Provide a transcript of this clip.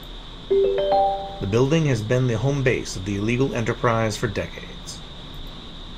The building has been the home base of the illegal enterprise for decades.